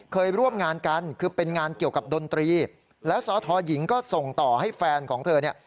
เคยร่วมงานกันคือเป็นงานเกี่ยวกับดนตรีแล้วสทหญิงก็ส่งต่อให้แฟนของเธอเนี่ย